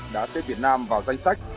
đã xếp việt nam vào danh sách